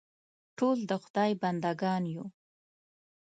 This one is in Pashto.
ټول د خدای بندهګان یو.